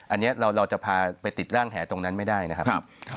อันนี้เราจะพาไปติดร่างแหตรงนั้นไม่ได้นะครับ